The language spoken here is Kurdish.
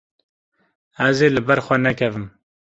Ez ê li ber xwe nekevim.